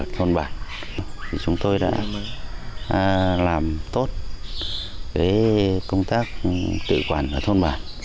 thôn bạc chúng tôi đã làm tốt công tác tự quản ở thôn bạc